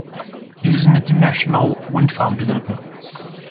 It is an international wind farm developer.